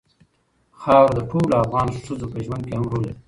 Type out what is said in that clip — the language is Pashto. خاوره د ټولو افغان ښځو په ژوند کې هم رول لري.